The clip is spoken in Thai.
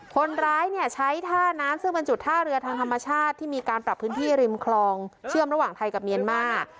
คนร้ายเนี่ยใช้ท่าน้ำซึ่งเป็นจุดท่าเรือทางธรรมชาติที่มีการปรับพื้นที่ริมคลองเชื่อมระหว่างไทยกับเมียนมาร์